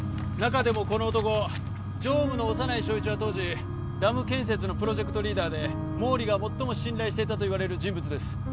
中でもこの男常務の小山内正一は当時ダム建設のプロジェクトリーダーで毛利が最も信頼していたといわれる人物です